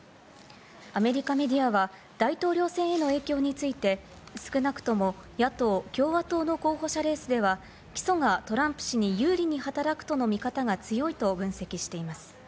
アメリカメディアは大統領選への影響について、少なくとも野党・共和党の候補者レースでは、起訴がトランプ氏に有利に働くとの見方が強いと分析しています。